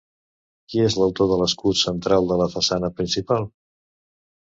Qui és l'autor de l'escut central de la façana principal?